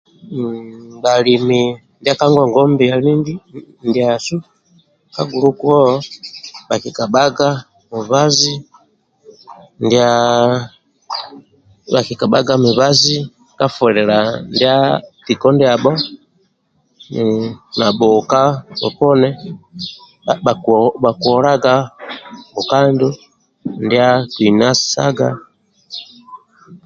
Bhalimi ndibha kagogwabili ndiasu bhaki kabhaga mubazi fuhili time ndia ndiabho na buhuka poni bha wolaga buhuka njo